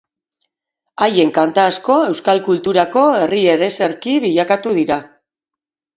Haien kanta asko euskal kulturako herri-ereserki bilakatu dira.